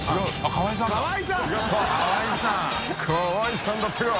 河井さんだったか。